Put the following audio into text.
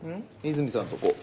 泉さんとこ。